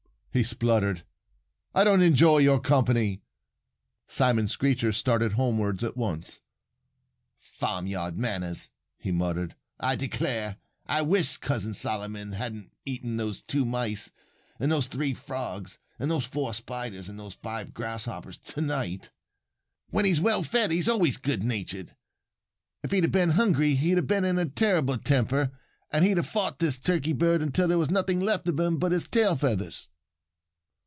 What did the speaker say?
he spluttered. "I don't enjoy your company." Simon Screecher started homewards at once. "Farmyard manners!" he muttered. "I declare, I wish Cousin Solomon hadn't eaten those two mice and those three frogs and those four spiders and those five grasshoppers to night. When he's well fed he's always good natured. If he had been hungry he'd have been in a terrible temper. And he'd have fought this Turkey bird until there was nothing left of him but his tail feathers."